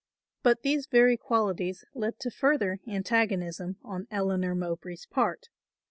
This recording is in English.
But these very qualities led to further antagonism on Eleanor Mowbray's part.